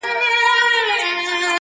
o څوک و یوه او څوک وبل ته ورځي,